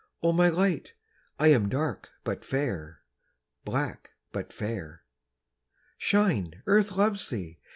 O my light, I am dark but fair, Black but fair. Shine, Earth loves thee!